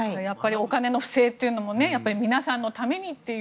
お金の不正というのも皆さんのためにという。